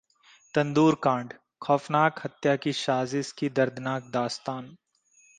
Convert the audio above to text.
तंदूरकांड: खौफनाक हत्या की साजिश की दर्दनाक दास्तान